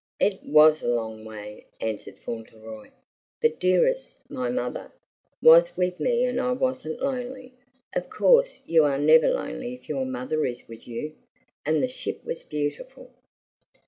"It WAS a long way," answered Fauntleroy, "but Dearest, my mother, was with me and I wasn't lonely. Of course you are never lonely if your mother is with you; and the ship was beautiful."